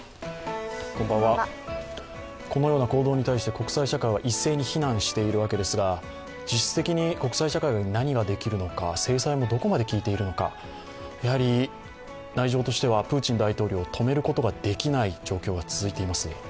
このような行動に対して国際社会は一斉に非難しているわけですが実質的に国際社会に何ができるのか、制裁もどこまで効いているのか、内情としてはプーチン大統領を止めることができない状況が続いています。